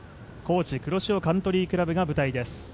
Ｋｏｃｈｉ黒潮カントリークラブが舞台です。